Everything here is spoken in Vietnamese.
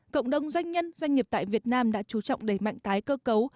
cộng đồng doanh nhân doanh nghiệp tại việt nam đã chú trọng đẩy mạnh tái cơ cấu